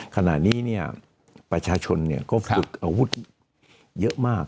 ขณะนี้ประชาชนก็ฝึกอาวุธเยอะมาก